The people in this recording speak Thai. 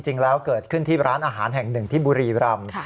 จริงแล้วเกิดขึ้นที่ร้านอาหารแห่งหนึ่งที่บุรีรำ